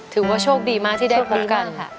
ถือว่าโชคดีมากที่ได้พบกันค่ะ